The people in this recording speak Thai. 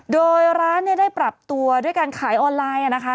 โดยร้านได้ปรับตัวด้วยการขายออนไลน์นะคะ